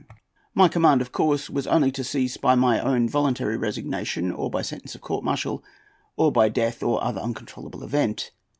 My command, of course, was only to cease by my own voluntary resignation, or by sentence of court martial, or by death, or other uncontrollable event.